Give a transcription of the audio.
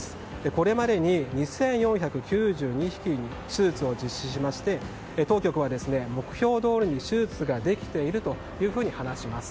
これまでに２４９２匹に手術を実施しまして当局は目標どおりに手術ができていると話します。